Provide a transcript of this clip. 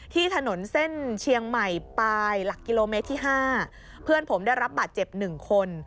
ที่ถนนเส้นเชียงใหม่ปลายหลักกิโลเมตรที่๕เพื่อนผมได้รับบาดเจ็บหนึ่งคน